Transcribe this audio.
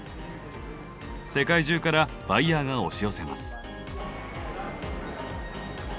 世界中からバイヤーが押し寄せます。